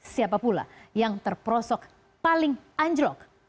siapa pula yang terperosok paling anjlok